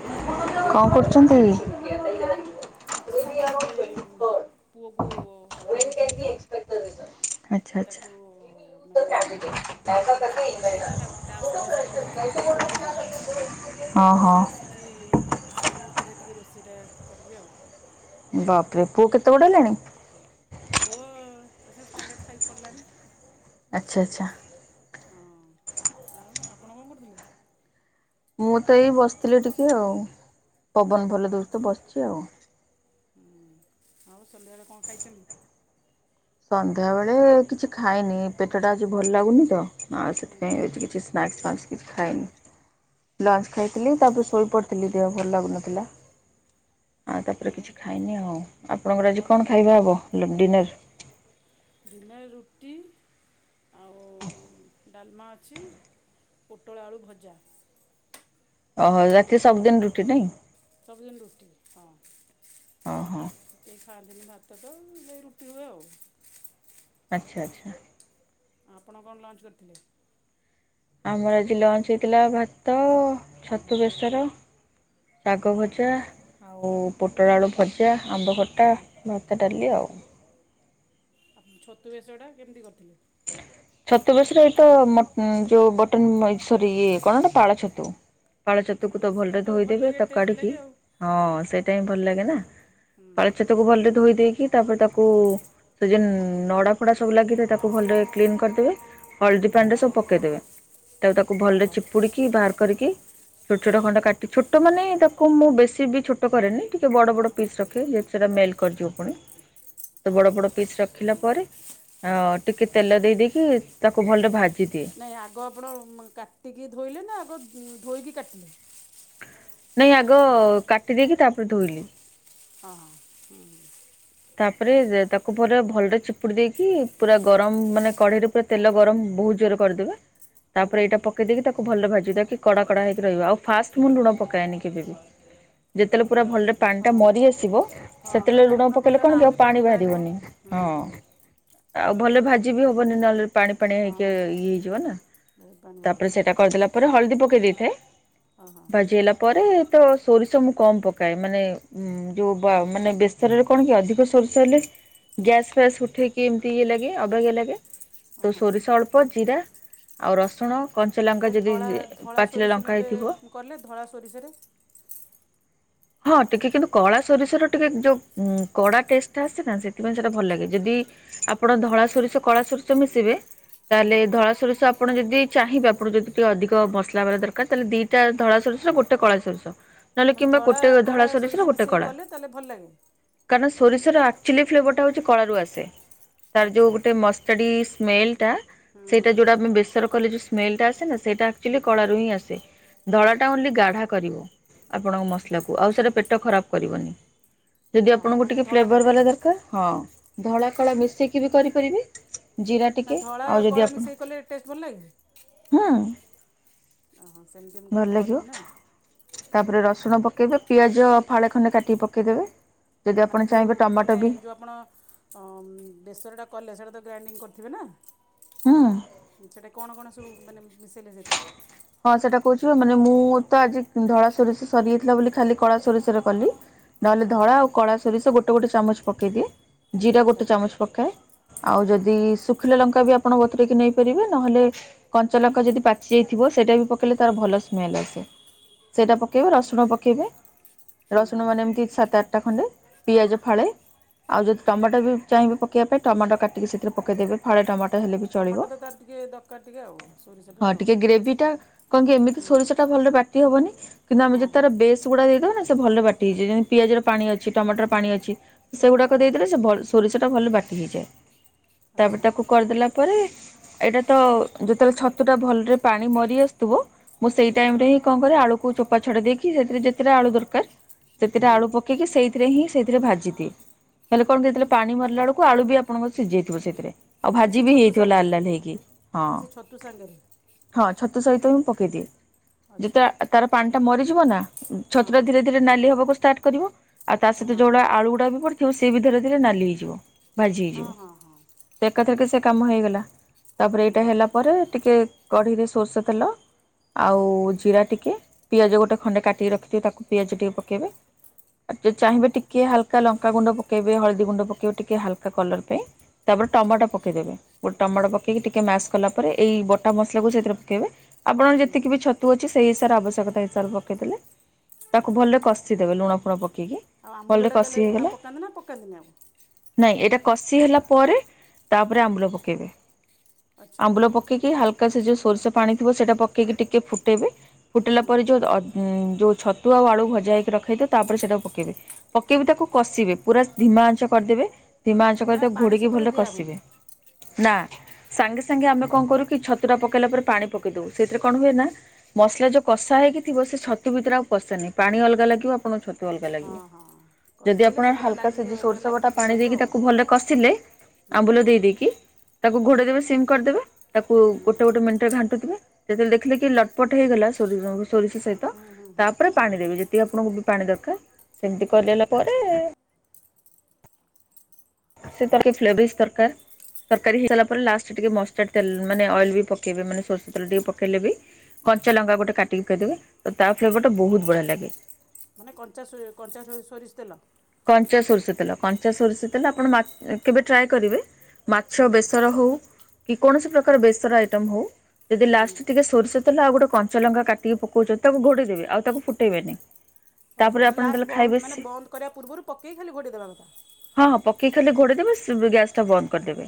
Hello କଣ କରୁଛନ୍ତି? କିଛି ନହିଁ ଏବେ ପୁଅ ପଢ଼ଉଥିଲି ତ! ଆଚ୍ଛା ଆଚ୍ଛା। ତାକୁ ମାନେ ସେ ପଢ଼ୁଛି ତ ତାକୁ ଟାସ୍କ ଗୁଡା ସ୍କୁଲ ରେ ଦେଇଛନ୍ତି ପଢ଼ୁଛି ତ ମୁଁ ଟିକଏ ଓହୋ ଏବେ ଆସିଛି ସେଇ ଭିତରେ ଟିକେ ରୋଷେ ଦେ କରିବି ଆଉ ବାପରେ ପୁଅ କେତେ ବଡ଼ ହେଲାଣି? ପୁଅ ସେ ଷ୍ଟାଣ୍ଡାର୍ଡ଼ ଫାଇପ ପଢିଲାଣି। ଆଚ୍ଛା ଆଚ୍ଛା ହଁ ଆଉ ଆପଣ କ'ଣ କରୁଥିଲେ। ମୁଁ ତ ଏଇ ବସିଥିଲି ଟିକେ ଆଉ ପବନ ଭଲ ଦଉଚି ତ ବସିଛି ଆଉ। ହୁଁ ଆଉ ସନ୍ଧ୍ୟାବେଳେ କଣ ଖାଇଛନ୍ତି? ସନ୍ଧ୍ୟା ବେଳେ କିଛି ଖାଇନି ପେଟ ଟା ଆଜି ଭଲ ଲାଗୁନି ତ। ଆଉ ହୁଁ ସେଥିପାଇଁ ହୁଁ ହେଉଛି କିଛି ସ୍ନାକ୍ସ୍ ଫାକ୍ସ କିଛି ଖାଇନି ଲଞ୍ଚ ଖାଇଥିଲି ତାପରେ ଶୋଇ ପଡ଼ିଥିଲି ଦେହ ଭଲ ଲାଗୁନଥିଲା। ଆଉ ତାପରେ କିଛି ଖାଇନି ଆଉ ଆପଣଙ୍କର ଆଜି କଣ ଖାଇବା ହବ ଡିନର। ଦିନରେ ରୁଟି ଆଉ ଡାଲମା ଅଛି ପୋଟଳ ଆଳୁ ଭଜା। ଓହୋ ରାତିରେ ସବୁଦିନ ରୁଟି ନାଇଁ। ସବୁଦିନ ରୁଟି ହଁ। ଓହୋ ସେ ଖାତିନି ଭାତ। ନେଇ ରୁଟି ହୁଏ ଆଉ। ଆଚ୍ଛା ଆଚ୍ଛା। ଆପଣ କଣ ଲଞ୍ଚ କରିଥିଲେ? ଆମର ଆଜି ଲଞ୍ଚ ହେଇଥିଲା ଭାତ ଛତୁ ବେସର। ଶାଗ ଭଜା ଆଉ ପୋଟଳ ଆଳୁ ଭଜା, ଆମ୍ବ ଖଟା, ଭାତ ଡାଲି ଆଉ। ଆପଣ ଛତୁ ବେଶଟା କେମିତି କରିଥିଲେ? ଛତୁ ବେଶରେ ଏଇତ [unintelligible] ଇଏ କଣଟା ପାଳ ଛତୁ। ପାଳଚତୁକୁ ତ ସେ ସେଇଟା ଭଲରେ ଭଲ ଧୋଇଦେବେ ଲାଗେ ତାକୁ ଟେଷ୍ଟ କାଢିକି ଲାଗେ ଆଉ ହଁ ସେଇଟା ହିଁ ଭଲ ଲାଗେ ନା। [inaudible] ହୁଁ ପାଳଛେତକୁ ଭଲରେ ଧୋଇ ଦେଇକି ତାପରେ ତାକୁ ସେ ଯେନ୍ ନଡା ଫଡା ସବୁ ଲାଗିଥାଏ ତାକୁ କୁ ଭଲରେ କ୍ଲିନ୍ କରିଦେବେ। ହୁଁ ହଳଦୀ ହୁଁ ପାଣିରେ ସବୁ ପକେଇଦବେ ତାକୁ ତାକୁ ଭଲରେ ଓହୋ ଚିପୁଡିକି ବାହାର କରିକି ଛୋଟ ଛୋଟ ଖଣ୍ଡ କାଟି ଛୋଟ ମାନେ ତାକୁ ମୁଁ ବେଶୀ ବି ଛୋଟ କରେନି ଟିକେ ବଡ ବଡ ପିସ୍ ରଖେ ଯେ ସେଟା ମେଲଟ କରିିବ ପୁଣି। ତ ବଡ ଓହୋ ବଡ ପିସ୍ ରଖିଲା ପରେ [unintelligible] ଟିକେ ତେଲ ଦେଇ ଦେଇକି ତାକୁ ଭଲରେ ଭାଜ ନାଇଁ ଆଗ ଆପଣ କାଟିକି ଧୋଇଲେ ନା ଆଗ- ଧୋଇ କି କାଟିଲେ। ନାଇଁ ଆଗ କାଟି ଦେଇକି ତାପରେ ଧୋଇଲି। ହଁ। ତାପରେ ତାକୁ ପୁରା ଭଲରେ ଚିପୁଡି ଦେଇକି ପୁରା ଗରମ ମାନେ କଢେଇରେ ପୁରା ତେଲ ଗରମ ବହୁତ ଜୋର କରିଦେବେ ହୁଁ ତାପରେ ହୁଁ ଏଇଟା ପକେଇ ଦେଇକି ତାକୁ ଭଲ ଭାଜି ଯଟା କି କଡା କଡା ହେଇକି ରହିବା ଆଉ ଫାଷ୍ଟ ମୁଁ ଲୁଣ ପକାଏନି କେବେ ବି। ଯେତେବେଳେ ଓହୋ ପୁରା ଭଲରେ ପାଣି ଟା ହଁ ମରି ଆସିବ ହଁ ସେତେବେଳେ କାହିଁକିନା ଲୁଣ ପ ପକେଇଲା ନା ଆହୁରି ପାଣି ବାହାରିବ ବାହାରିବନି ହ ହୁଁ ହୁଁ ଆଉ ଭଲ ଭାଜି ବି ହବନି ନହେଲେ ପାଣି ପାଣିଆ ହଁ ହେଇକି ହଁ ଇଏ ହେଇଯିବ ନା ବହୁତ ପାଣି ତାପରେ ବାହାରିବ ସେଟା କରିଦଲା ପରେ ହ ହଳଦୀ ପକେଇ ଦେଇଥାଏ। ଓହୋ ଭାଜି ହେଲା ପରେ ତ ସୋରିଷ ମୁଁ କମ ପକାଏ ମାନେ ଯୋଉ ମାନେ ବେସରରେ- କଣ କି ଅଧିକ ସୋରିଶ ହେଲେ ଗ୍ୟାସ ଫ୍ୟାସ୍ ଉଠେଇକି ଏମିତି ଇଏ ଲାଗେ ଅବାଗିଆ ଲାଗେ। ତ ଓହୋ ସୋରିଷ ଅଳ୍ପ ଜିରା ଆଉ ରସୁଣ। କଞ୍ଚା ଲଙ୍କା କ ଯଦି ଧଳା ଧଳା ପାଚିଲା ସୋରିଷ ଲଙ୍କା ନେଲେ ହେଇଥିବ କଲେ ଧଳା ସୋରିଷରେ ହଁ ଟିକେ କିନ୍ତୁ କଳା ସୋରିଷର ଟିକେ ଯୋଉ କଡା ଟେଷ୍ଟ ଆସେ ନା ସେ ସେଥିପାଇଁ ସେଇଟା ଭଲ ଆଚ୍ଛା ଲାଗେ ଯଦି ଆ ଆପଣ ଧଳା ସୋରିଷ କଳା ସୋରିଷ ମିଶିବେ ହଁ ତାହେଲେ ହଁ ଧଳା ସୋରିଷ ଆପଣ ଯଦି ଚାହିଁବେ ଆପଣ ଯଦି ଟିକେ ଅଧିକ ମସଲା ବାଲା ଦରକାର ତାହେଲେ ଦିଟା ଧଳା ସୋଷ ଆଉ ଗୋଟେ କଳା ସୋରିଷ ମାନେ କିମ୍ବା ଧଳା ଗୋଟେ ଧଳା କଳା ସୋରିଷର ସୋରିଷ ମିଶେଇକି କଲେ ତାହେଲେ ଭଲ ଲାଗେ। ସୋରିଷରେ ଆକଚୁଆଲି ଫ୍ଲେଭରଟା ହଉଛି କଳାରୁ ଆସେ। ତାର ଆଚ୍ଛା ଯୋଉ ଗୋଟେ ମଷ୍ଟାଡିସ ସ୍ମେଲ ଟା ହୁଁ ହୁଁ ସେଇଟା ହୁଁ ଯୋଉଟା ଆମେ ବେସର କଲେ ଯୋଉଟା ସ୍ମେଲେଟା ଆସେନି। ସେଇା ଆକଚୁଆଲି କଳାରୁୁ ହିଁ ଆସେ। ଧଳାଟା ଓନଲି ଗାଢ଼ା କରିବ ଆପଣଙ୍କ ମସଲାକୁ। ଆଉ ସେଇଟା ପେଟ ଖରାପ କରିବନି। ଯଦି ଓହୋ ଆପଣଙ୍କୁ ମାନେ ଟିକେ ଧଳାଟା ଫ୍ଲେଭର ନାଇଁ ବାଲା କି ଦରକାର ହଁ ଧଳା କଳା ମିଶେଇକି ବି କରିପାରିବେ। ଜିରା ନା ଟିକେ ଧଳା ଆଉ ଯଦି କଳା ମିଶାଇ କଲେ ଆପଣ ହୁଁ। ଓହଃ ସେମିତି ମୁଁ ଭଲ କେବେ ଲାଗିବ। କରିନି ନା। ତାପରେ ରସୁଣ ପକେଇବେ। ପିଆଜ ଫାଳେ ଖଣ୍ଡେ କାଟିକି ପକେଇଦେବେ। ଯଦି ଆପଣ ମାନେ ଯୋଉଁ ଚାହିଁବେ ଟମାଟୋ ମାନେ ବି ଯୋଉଁ ଆପଣ ବେସରଟା କଲେ ସେଇଟା ତ ଗ୍ରାଇଣ୍ଡିଙ୍ଗ କରିଥିବେ ନା। ହୁଁ ସେଇଟା କଣ କଣ ସବୁ ମାନେ ମିଶେଇଲେ ସେଥିରେ ହଁ ସେଇଟା କହୁଛି ମାନେ ମୁଁ ତ ଆଜି ଧଳା ସୋରିଷ ସରିଯାଇଥିଲା ବୋଲି ଖାଲି କଳା ସୋରିଷରେ କଲି ନହେଲେ ଓହୋ ଧଳା ଆଉ କଳା ସୋରିଷ ଗୋଟେ ଗୋଟେ ଚାମଚ ପକେଇଦିଏ। ଜିରା ଆଚ୍ଛା ଗୋଟେ ଚାମଚ ପକାଏ ଆଉ ଓହୋ ଯଦି ଶୁଖିଲା ଲଙ୍କା ବି ଆପଣ ଆପଣ ବତୁରେକି ନେଇ ପାରିବେ ନହେଲେ କଞ୍ଚ ଲଙ୍କା ଯଦି ପାଚି ଯାଇଥିବ ଥିବ ସେଇଟା ବି ପକେଇଲେ ତାର ଭଲ ସ୍ମେଲ ଆସେ। ସେଇଟା ଓହୋ ପକେଇବେ ରସୁଣ ପକେଇବେ ହୁଁ ରସୁଣ ହୁଁ ମାନେ ଏମିତି ସାତ ଆଠଟା ଖଣ୍ଡେ। ପିଆଜ ଫାଳେ ଆଉ ଯଦି ଟମାଟୋ ବି ଚାହିଁବେ ପକେଇବା ପାଇଁ ଟମାଟୋ କାଟିକି ସେଥିରେ ପକେଇଦେବେ ଫାଳେ ଟମାଟ। ଟମାଟୋ ତ ତାର ଟିକେ ଦରକାର ଟିକେ ଆଉ ସୋରିଷ ପାଇଁ ଆଉ। ଦିଟା କଣ କି ଏମିତି ହୁଁ ସୋରିଷ ଟା ଭଲରେ ବାଟି ହବନି କିନ୍ତୁ ଆମେ ହଁ ଯଦି ହଁ ତାର ବେଶସ୍ ଗୁଡା ଦେଇଦବା ନା ଭଲ ବାଟି ହେଇଯାଏ ଯେମିତି ପିଆଜର ପାଣି ଅଛି ଟମାଟର ପାଣି ଅଛି। ସେଗୁଡାକ ଓହୋ ଦେଇଦେଲେ ସେ ଭଲ ସୋରିଷଟା ଟ ଭଲ ବାଟି ହେଇଯାଏ। ତାପରେ ଆଚ୍ଛା ତାକୁ କରିଦେଲା ପରେ ଏଇଟା ତ ଯେତେବେଳେ ଛତୁଟା ଭଲରେ ପାଣି ମରି ଆସୁଥିବ ମୁଁ ସେଇ ଟାଇମ ରେ ହି କରେ ଆଳୁ ୁ ଚୋପା ଛଡା ଦେଇକି ସେଥିରେ ଯେତେଟ ଆଳୁ ଦରକାର ହୁଁ ସେଥିରେ ହୁଁ ଆଳୁ ପକେଇକି ସେଇଥିରେ ହିଁ ସେଥିରେ ଭାଜିଦିଏ। ହେଲେ କଣ କହିଥିଲେ ପା ମିଲା ବେକୁ କୁ ଆଳୁ ବି ଆପଣଙ୍କ ସିଝାଇଥିବ ସେଥିରେ ଆଉ ମାନେ ଭାଜି ସେ ବି ଛତୁ ହେଇଥିବ ଲାଲ ସାଙ୍ଗରେ ଲାଲ ହେଇକି ହଁ। ମାନେ ସେ ଛତୁ ସାଙ୍ଗରେ। ହଁ ଛତୁ ସହିତ ହ ମୁଁ ପକେଇଦିଏ। ଆଚ୍ଛା ଯେତେବେ ତାର ପାଣି ଟା ମରିଛି ଯିବ ନା ହଁ ଛତୁ ଟା ହଁ ଧୀରେ ଧୀରେ ନାଲି ହବାକୁ ଷ୍ଟାର୍ଟ କରିବ ଆ ତା ଆଚ୍ଛା ସହିତ ହଁ ଯୋଉଭଳିଆ ଆଳୁ ଗୁଡା ବି ପଡ ସେ ବିଧରେରେ ନାଲି ହେଇଯିବ। ଭର୍ଜି ହଁ ଯିବ ହଁ ହଁ ତ ଏକଥରେ କେ ସେ କାମ ହେଇଗଲା। ତାପରେ ହୁଁ ଏଇଟା ହୁଁ ହେଲା ପରେ ଟିକେ କଢ଼ିରେ ଶୋଷ ତେଲ ଆଉ ଜିରା ଟିକେ ପିଆଜ ଗୋଟେ ଖଣ୍ଡେ କାଟିକି ରଖିିବ ତାକୁ ପିଆଜ ଟିକେ ପକେଇବେ। ଆ ହଁ ଚାହିଁବେ ଟିକେ ହାଲକା ଲମ୍ ପକା ଗୁଣ୍ଡ ପକବବେ ହଳଦୀ ଗୁଣ୍ଡ ପକେଇବ ଟିକେ ହାଲକା କଲର ପାଇଁ। ତାପ ଆଚ୍ଛା ଟମାଟୋ ପକେଇଦେବେ ଗୋଟେ ଟମାଟୋ ପକ ଟିକେ ମ୍ୟାସ୍ କଲା ପରେ ଏଇ ବଟା ମ ଲାଗୁ ସେଥିରେ ପକେଇବେ। ଆପଣର ଯେତିକି ବି ଛତୁ ଅଛି ସେଇ ସାର୍ ଆବଶ୍ୟକତା ହି ସାର୍ ପକେଇଲେ। ତାକୁ ଭଲରେ କଷିଦେବେ ଲୁଣ ପ୍ର ଆଉ ଆମ୍ବୁଲଟା ଦେଲେ ଆଉ ପକାନ୍ତି ନା ପକାନ୍ତିନି ଆଉ। ନାଇଁ ଏଇଟା କଷି ହେଲା ପରେ ତାପରେ ଆମ୍ବଳ ପକେଇବେ ଆଚ୍ଛା ଆମ୍ବୁଳ ପକେଇକି ହାଲକା ସେ ଯୋଉ ସୋରଷ ପାଣି ଥିବ ସେଟା ପେଇକି ଟିକେ ଫୁଟେଇବେ। ଫୁଟିଲା ପରେ ଯୋଉ ଯୋଉ ଛତୁ ଆଉ ଆଳୁ ଭଜା ହେଇକି ରଖେଇଦ ତାପରେ ସେଟା ପକେଇବେ ପକେଇବି ତାକୁ କଷିବେ ପୁରା ଧିମା ଆଞ୍ଚା କରିଦେବେ। ସୀମାଞ୍ଚ ମାନେ କରିରେ ଆଉ ତ ପାଣି ଘୋଡ଼ିକି ସେତେବେଳେ ଭଲ ଦିଆହେବନି କଷିବେ ନା। [unintelligible] ଛତୁରା ପକେଇଲା ପରେ ପାଣି ପକେଇ ଦବଉ ସେଇଥିରେ କଣ ହୁଏ ନା ମସଲା ଯୋଉ କଷା ହେଇକି ଥିବ ସେ ଛତୁ ଭିତରେ ଆଉ କଷେ ନାହିି ପାଣି ଅଲଗା ଲାଗିବ ଆପଣଙ୍କ ଛତୁ ଅଲଗା ହଁ ଲାଗିବ ହଁ ଯଦି କଷିଦେଲେ ଆପଣ ସେଥିରେ ହାଲକା ସେ ଲାଗିକି ରହି ପୁରା ସୋର୍ଷ ଗୋଟା ଲାଗିକି ପାଣି ରହିବ ଦେଇକି ଆଉ ତାକୁ ଭଲରେ କଷିଲେ ଆମ୍ବୁଲ ଦେଇ ଦେଇକି ତାକୁ ଘୋଡ଼େଇ ଦେବେ ସିମ୍ କରିଦେବେ। ତାକୁ ହୁଁ ହୁଁ ଗୋଟେ ଗୋଟେିନିଟରୋଣ୍ଟଥିବେ ଯେତେବେଳେ ଦେଖିଲେ କି ଲଟପଟ ହେଇଗଲା ସରୀର ସୋରିଷ ସହିତ ହୁଁ ହୁଁ ହୁଁ ତାପରେ ପାଣି ଦେବି ଯେତିକି ଆପଣଙ୍କୁ ପାଣି ଦରକାର ସେମିତି କରିଲା ପରେ ସେ ତର ଟିକେ ଫ୍ଲେଭରିସ୍ ତରକାର ତରକାରୀ ହେଇସାରିଲା ପରେ ଲାଷ୍ଟ ଟିକେ ମଷ୍ଟାର୍ଡ ତଲ ମାନେ ଅଏଲ ବି ପକେଇବେ ମାନେ ସୋରିଷେ ତେଲ ଟିକେ ପକେଇଲେ ବି କଞ୍ଚା ଲଙ୍କା ଗୋଟେ କାଟିକି କହିଦେବେ ତା ଫ୍ଲେଭରଟା ବହୁତ ବଢ଼ିଆ ଲାଗେ ମାନେ କଞ୍ଚା କଞ୍ଚା ସୋରିଷ ତେଲ କଞ୍ଚା ସୋରିଷି କଞ୍ଚା ସୋରିଷଥିଲା ଆପଣ କେବେ ଟ୍ରାଏ କରିବେ। ମାଛ ହୁଁ ହୁଁ ବେସର ହଉ କି କୌଣସି ପ୍ରକାର ବେସ୍ତର ଆଇଟମ ହଉ ଯଦି ଲାଷ୍ଟ ସରିଷତ େଲେ ଆଉ ଗୋଟେ କଞ୍ଚ ଲଙ୍କା କାଟିକି ପକଉଛନ୍ତି ତାକୁ ଘୋଡେଇ ଦେେବେ ଆଉ ତାକୁ ଫୁଟେଇବେନି ଓହୋ ତାପରେ ମାନେ ଆପଣ ଲାଷ୍ଟ ଯେତେବେଳେ ବନ୍ଦ ଖାଇବେ ମାନେ ସେ ବନ୍ଦ କରିବା। ପୂର୍ବରୁ ପକେଇ ଖାଲି ଗୋଟଏ ଦେବା କଥା କି ଖେ ଘୋରେ ଦେବେ ଗ୍ୟାସ ଟା ବନ୍ଦ କରିଦେବେ।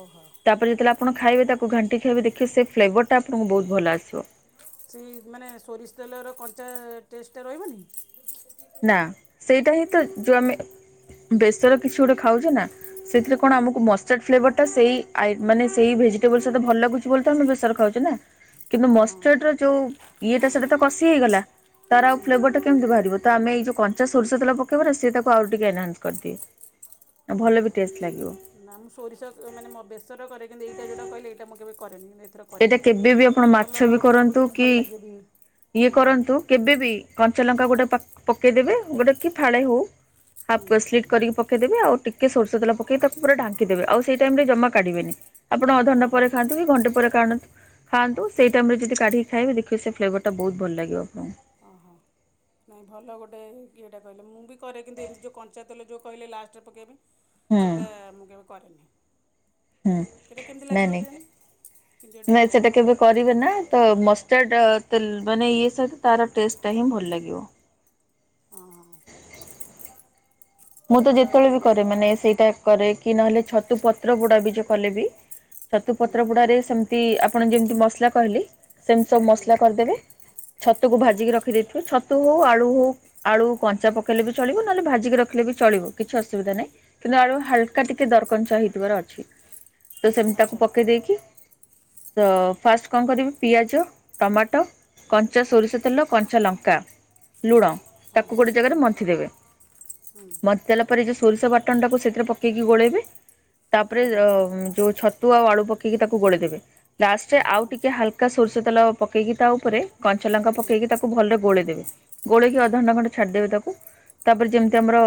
ଓହୋ ତାପରେ ଯେତେବେଳେ ଆପଣ ଖାଇବେ ତାକୁ ଘାଣ୍ଟି ଖାଇବେ ଦେଖେ ସେ ଫ୍ଲେଭରଟା ଆପଣଙ୍କୁ ବହୁତ ଭଲ ଆସିବ। ସେ ମାନେ ସୋରିଷ ତେଲର କଞ୍ଚା ଟେଷ୍ଟଟା ରହିବନି ନା ସେଇଟା ହିଁ ତ ଯୋଉ ଆମେ ବେସର କିଛି ଗୋଟେ ଖାଉଛେ ନା ସେଥିରେ କଣ ଆମକୁ ମଷ୍ଟାର୍ଡ ଫ୍ରଟା ସେ ମାନେ ସେଇ ଭେଜିଟେବଲ ସହିତ ଭଲ ଲାଗୁଛି ବୋଲି ତ ଆମେ ବେସର ଖାଉଛେ ନା କିନ୍ତୁ ହଁ ହଁ ମଷ୍ଟାର୍ଡର ଯୋଉ ଇଏଟା ସେଟା ତ କଷି ହେଇଗଲା ତାର ଆଉ ହୁଁ ଫ୍ରଟା କେମିତି ବାହାରିବ। ତ ଆମେ ଏଇ ଯେଉଁ କଞ୍ଚା ସୋରିଷ ତେଲ ପକାଇବାର ସେ ତାକୁ ଆଉ ଟିକିେ ଏନହାନ୍ସ କରିଦିଏ ଆଉ ଓହୋ ଭଲ ବି ଟେଷ୍ଟ ଲାଗିବ। ନା ମୁଁ ସୋରିଷ ମାନେ ମୋ ବେସର କରେ କିନ୍ତୁ ଏଇଟା ଯେଉଟା କିଇଲେ ଏଇଟା ମୁଁ କେବେ କରେନି। କିନ୍ତୁ ଏଥର ଏଇଟା କରିବି କେବେ ବି ଆପଣ ଭଲ ମାଛ ବି ଭାବୁଛି କରନ୍ତୁ ବି କି ଭଲ ଲାଗିବ ବି ଇଏ ହୁଁ କରନ୍ତୁ କେବେ ବି କଞ୍ଚା ଲ ତ ଗୋଟେ ପା ପକେଇଦେବେ ଗୋଟେ କି ଫାଳେ ହଉ। ହୁଁ ହାଫ୍ ସ୍ଲିଟ୍ କରିକ ପେଇଦବି ଆଉ। ଟିକେ ସୋରିଷ ତେଲ ପେଇକ ତାକୁ ପୁରା ଢାଙ୍କିଦେବେ ଆଉ ସେଇ ଟାଇମରେ ଜମା କାଢିବେନି ଆପଣ ଅଧ ଘଣ୍ଟା ଓହୋ ପରେ ଖାଆନ୍ତୁ କି ଘଣ୍ଟେ ଆଣନ୍ତୁ ଖାନ୍ତୁ ସେଇ ଟାଇମ ରେ ଯଦି କାଢିକି ଖାଇବେ ଦେଖିବ ସେ ଫ୍ଲେଭର ଟା ବହୁତ ଭଲ ଲାଗିବ ଆପଣଙ୍କୁ। ଓହୋ ନାଇଁ ଭଲ ଗୋଟେ ଇଏଟେ କଇଲେ ମୁଁ ବି କରେ କିନ୍ତୁ ଏମିତି ଯଉ କଞ୍ଚାତେଲ ଯଉ କହିଲେ ଲାଷ୍ଟରେ ପକେଇବା ହୁଁ ପାଇଁ। ସେଟା ମୁଁ କେବେ କରେନି। ହୁଁ ସେଇଟା କେମିତି ନାଇଁ ଲାଗିବ ନାଇଁ କେଜାଣି କିନ୍ତୁ ଏଇଟା ନାଇଁ ସେଟା କେବେ କରିବେ ନା ତ ମ [unintelligible] ମାନେ ଇଏ ସହିତ ତାର ଟେଷ୍ଟ ଟା ହିଁ ଭଲ ଲାଗିବ। ହଁ ହଁ ମୁଁ ତ ଭଲ ଯେତେବେଳେ ବି କରେ ମାନେ ସେଇଟା କରେ। କି ନହେଲେ ଛତୁ ପତ୍ର ପୋଡା ବି ଯଉ କଲେ ବି ଛତୁ ପତ୍ର ପୋଡାରେ ସେମିତି ଆପଣ ଯେମିତି ମସଲା କହିଲେ ସେମିତି ସବୁ ମସଲା କରିଦେବେ ଛତୁକୁ ଭାଜିକି ରଖିଦେଇଥିବେ ଛ ହଉ ହଉ ଆଳୁ ହଉ ଆଳୁ କଞ୍ଚା ପକେଇଲେ ବି ଚଳିବ ନହେଲେ ଭାଜିକି ର ଖିଲେ ବି ଚଳିବ କିଛି ଅସୁବିଧା ନାହିଁ। କିନ୍ତୁ ଆଳୁ ହାଲକା ଟିକେ ଦର କଞ୍ଚା ହେଇଥିବାର ଅଛି। ତ ସେମିତି ତାକୁ ଆଚ୍ଛା ପକେଇ ଦେଇକି ତ ଫାଷ୍ଟ କଣ କରିବି ପିଆଜ, ଟମାଟ, କଞ୍ଚା ସୋରିଷ ତେଲ, କଞ୍ଚା ଲଙ୍କା ଲୁଣ ହଁ ତାକୁ ହଁ ଗୋଟେ ହୁଁ ଜାଗାରେ ମନ୍ଥି ଦେବେ। ମନ୍ଥି ଦେଲା ପରେ ଯ ସୋରିଷ ବାଟଣଟାକୁ ସେଥିରେ ପକେଇକି ଗୋଳେଇବେ। ତାପରେ ହଁ ହଁ ଅ ଯୋଉ ଛ ତୁ ଆଉ ଆଳୁ ପକେଇକି ତାକୁ ଗୋଳେଇ ଦେବେ। ଲାଷ୍ଟରେ ଆଉ ଟିକେ ହାଲକା ସୋରିଷ ତେଲ ପକାଇକି ତା ଉପରେ କଞ୍ଚା ଲଙ୍କା ପକେଇକି ତାକୁ ଭଲରେ ଗୋଳେଇ ଦେବେ ଗୋଳେଇକି ଅଧଘଣ୍ଟା ଖଣ୍ଡେ ଛାଡିଦେବେ ତାକୁ ତାପରେ ଯେମ୍ ତି ଆମର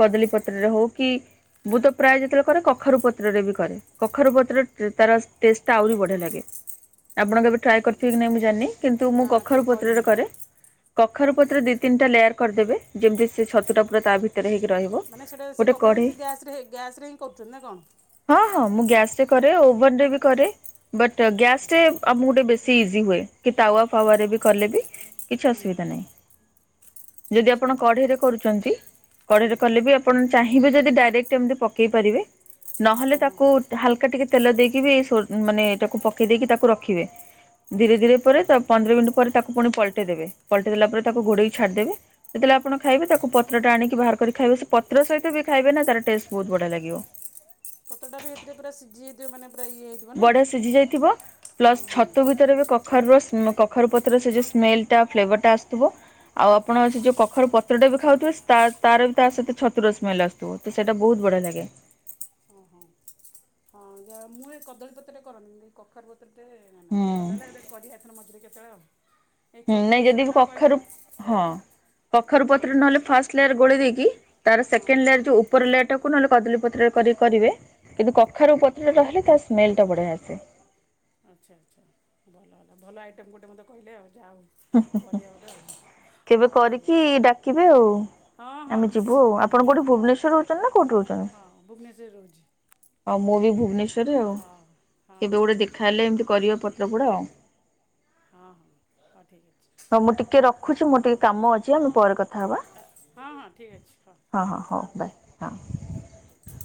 କଦଳୀ ପତ୍ରରେ ହଉ କି ମୁଁ ତ ପ୍ରାୟ ଯେତବେଳେ କରେ କଖାରୁ ପତ୍ରରେ ବି କରେ କଖାରୁ ପତ୍ରରେ ତାର ଟେଷ୍ଟଟା ଆହୁରି ବଢିଆ ଲାଗେ ଆପଣ କେବେ ମାନେ ଟ୍ରାଏ କରିଥିବେ କି ନାହିଁ ମୁଁ ଜାଣିନି। କିନ୍ତୁ ମୁଁ ନା କଖାରୁ କେବେ ପତ୍ରରେ କରିନି କରେ। କଖାରୁୁ ପତ୍ର ଦି ତିନିଟା ଲେୟାର କରିଦେବେ ଯେମିତି ସେ ଛତ୍ ତୁ ଟା ପୁରା ତା ଭିତରେ ହେଇ ମାନେ ସେଟା ସେ କଖାରୁ ଗ୍ୟାସ୍‌ରେ ହିଁ ଗ୍ୟାସ୍‌ରେ ହିଁ କରୁଚନ୍ତି ନା ହଁ ହଁ ମୁଁ କଣ? ଗ୍ୟାସ କରେ ଓଭନରେ ବି କରେ ବଟ୍ ଗ୍ୟାସରେ ଆମକୁ ଟିକେ ବେଶି ଇଜି ହୁଏ କି ତାୱା ଫାୱାରେ ବି କଲେ ବି କିଛି ହୁଁ ହୁଁ ଅସୁବିଧା ନାହିଁ। ଯଦି ଆଚ୍ଛା ଆପଣ କଢ଼େଇରେ କରୁ ଚନ୍ତି ହୁଁ କଡ଼େଇରେ କଲେ ବି ଆପଣ ଚାହିଁବେ ଯଦି ଡାଇରେକ୍ଟ ଏମିତି ପକେଇ ପାରିବେ ନହେଲେ ଓହୋ ତାକୁ ହାଲକା ଟିକେ ତେଲ ଦେଇକି ବି ସୋ ମାନେ ତାକୁ ପକେଇ ଦେଇକି ତାକୁ ରଖିବେ ଧିରେ ଆଚ୍ଛା ଧିରେ ପରେ ତା ପନ୍ଦର ମିନିଟ୍ ପରେ ତାକୁ ପୁଣି ପଲଟେଇ ଦେବେ ପଲଟେଇ ଦେଲା ପରେ ହଁ ତାକୁ ହଁ ଘୋଡ଼େଇ କି ଛାଡ଼ିଦେବେ। ଯେତେବେଳେ ଆପଣ ଖାଇବେ ତାକୁ ପତ୍ରଟା ଆଣିକି ବାହାର କରିକି ଖାଇବେ ସେ ପତ୍ର ସହିତ ବି ଖାଇବେ ନା ତାର ଟେଷ୍ଟ ବହୁତ ବଢିଆ ଲାଗିବ। ରେ ପ୍ରା ସିଝି ଯାଇଥିବ ମାନେ ପୁରା ଇଏ ହେଇଥିବ ନା ବଢିଆ ସିଝି ଯାଇଥିବ ହୁଁ ପ୍ଲସ୍ ହୁଁ ଛତୁ ଭିତରେ ବି କଖାରୁର ସ୍ ଉଁ କଖାରୁ ପତ୍ରରେ ସେ ଯଉ ସ୍ମେଲ ଟା ଫ୍ଲେଭରଟା ଆସୁଥିବ ଆଉ ଆପଣ ସେ ଯୋଉ କଖାରୁ ପତ୍ରଟା ବି ଖାଉଥିବେ ତାର ତାର ବି ତା ସହିତ ଛତୁର ସ୍ମେଲ ଆସୁଥିବ ତ ସେଇଟା ବହୁତ ବଢିଆ ଲାଗେ। ଓହୋ ହଁ ହଁ ଯା ମୁଁ ଏ କଦଳୀପତ୍ରଟା କରନି କି ଏଇ କଖାରୁ ପ ପତ୍ର ଟିକେ ହୁଁ ଆଣଥିଲେ ଭଲ ହେଲା ଏବେ କରି ହେଇଥନ୍ ମଝିରେ କେତେବେଳେ ଆଉ ଏଇ ହୁଁ ଛତୁ ନାଇଁ ଯଦି ବି ବେସରଟା କଖାରୁ କହିଲେ ହଁ ସେଇଟା କଖାରୁ ପତରେ କରିବା ନହେଲେ ଫାଷ୍ଟ ଲେୟାର ଗୋଳି ଦେଇକି ତାର ହଁ ହଁ ସେକଣ୍ଡ ଲେୟାର ଯୋଉ ଉପର ଲେୟାର ଟାକୁ କ ନହେଲେ କଦଳୀପତ୍ରରେ କରି କରିବେ କିନ୍ତୁ ହଁ କଖାରୁ ହଁ ପତ୍ରରେ ହେଲେ ତା ସ୍ମେଲ ଟ ବଢ଼େଆ ଆସେ। ଆଚ୍ଛା ଆଚ୍ଛା ଭଲ ହେଲ ଭଲ ଆଇଟମ ଗୋଟେ ମତେ କହିଲେ। ଯାହା ହଉ କରିବା ଗୋଟେ ଆଉ କେବେ ହଁ ଠିକ୍ କରିକି ଅଛି ଡାକିବେ ଆଉ, ହଁ ହଁ ଆମେ ଯିବୁ ନିଶ୍ଚୟ ଆଉ ଆପଣ କୋଉଠି ଭୁବନେଶ୍ଵରେ ର ହଁ ଭୁବନେଶ୍ୱରରେ ରହୁଛି ଆଉ ମୁଁ ବି ଭ [unintelligible] ଆଉ ହଁ ହଁ କେବେ ହଁ ଗୋଟେ ଦେଖା ହଉ ହଲେ ଠିକ୍ ଏମିତି ଅଛି କରିବା ପତ୍ର ପୋଡ଼ା ଆଉ। ହଁ ହଁ। ଠିକ୍ ଅଛି ହଁ ମୁଁ ଟିକେ ରଖୁଚି ମୋର ଟିକେ କାମ ଅଛି ଆମେ ପରେ କଥା ହେବା। ହଁ ହଁ ଠିକ୍ ଅଛି ହଁ ପରେ ହଁ କଥା ହେବା ହଉ ବାଏ ଆଉ ହୁଁ ହଁ।